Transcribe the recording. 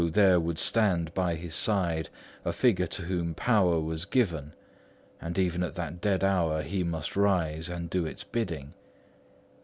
there would stand by his side a figure to whom power was given, and even at that dead hour, he must rise and do its bidding.